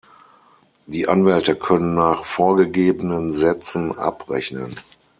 Die Anwälte können nach vorgegebenen Sätzen abrechnen.